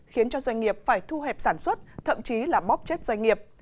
khiến cho doanh nghiệp phải thu hẹp sản xuất thậm chí là bóp chết doanh nghiệp